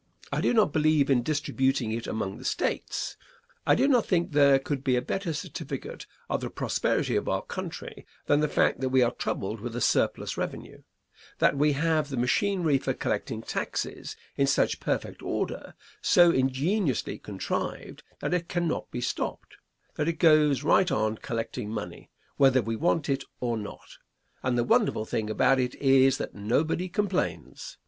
I do not believe in distributing it among the States. I do not think there could be a better certificate of the prosperity of our country than the fact that we are troubled with a surplus revenue; that we have the machinery for collecting taxes in such perfect order, so ingeniously contrived, that it cannot be stopped; that it goes right on collecting money, whether we want it or not; and the wonderful thing about it is that nobody complains.